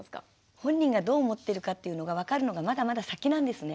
本人がどう思ってるかっていうのが分かるのがまだまだ先なんですね。